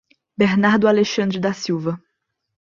Bernardo Alexandre da Silva